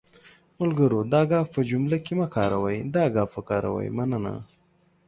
ملګرو دا گ په جملو کې مه کاروٸ، دا ګ وکاروٸ.مننه